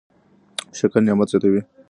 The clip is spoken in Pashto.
شکر نعمت زياتوي.